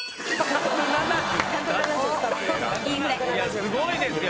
すごいですよ。